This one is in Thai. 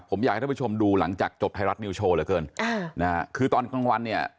ผมอยากให้ทวดชมดูหลังจากจบภัยรัฐนิวโชว์แล้วเกินคือตอนกลางวันเนี่ย